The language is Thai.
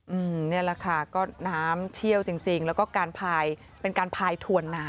อืมนี่แหละค่ะก็น้ำเชี่ยวจริงจริงแล้วก็การพายเป็นการพายถวนน้ำ